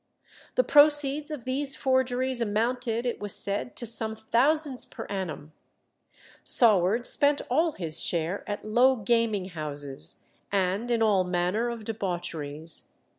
The proceeds of these forgeries amounted, it was said, to some thousands per annum. Saward spent all his share at low gaming houses, and in all manner of debaucheries.